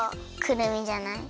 くるみじゃない？